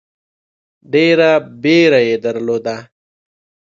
ډېره بیړه یې درلوده.